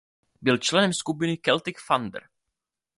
Byl členem skupiny Celtic Thunder.